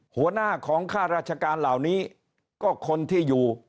หัวหน้าของค่าราชการเหล่านี้ก็คนที่อยู่